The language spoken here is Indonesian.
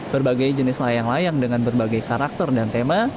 berbagai jenis layang layang dengan berbagai karakter dan tema